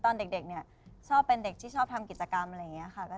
ตอนเด็กเนี่ยชอบเป็นเด็กที่ชอบทำกิจกรรมอะไรอย่างนี้ค่ะ